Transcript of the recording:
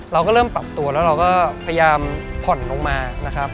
เราก็เริ่มปรับตัวแล้วเราก็พยายามผ่อนลงมานะครับ